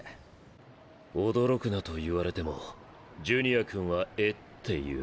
驚くなと言われてもジュニア君は「え？」って言う。